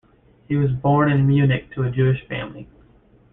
He was born in Munich to a Jewish family.